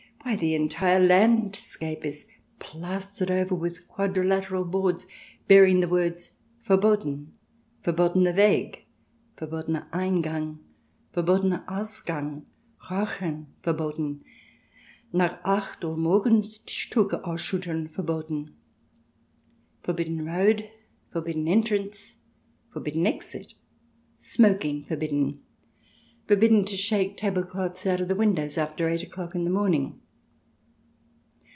Why, the entire landscape is plas tered over with quadrilateral boards bearing the words: "Verboten," "Verbotener Weg," "Verbo tener Eingang," " Verbotener Ausgang," " Rauchen Verboten," " Nach acht Uhr Morgens Tischtucher ausschiitteln verboten" (Forbidden road; Forbidden entrance ; Forbidden exit ; Smoking forbidden ; Forbidden to shake tablecloths out of the windows after eight o'clock in the morning